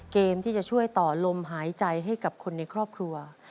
เกมที่จะช่วยต่อลมหายใจให้กับคนในครอบครัว